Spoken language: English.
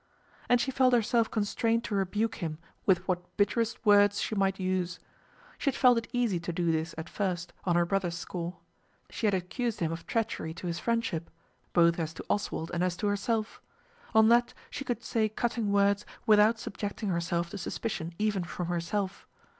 And she felt herself constrained to rebuke him with what bitterest words she might use. She had felt it easy to do this at first, on her brother's score. She had accused him of treachery to his friendship, both as to Oswald and as to herself. On that she could say cutting words without subjecting herself to suspicion even from herself.